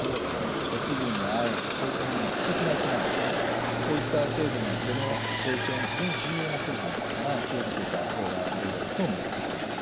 特にこういった成分は毛の成長に非常に重要な成分ですから気を付けた方がよいだろうと思います。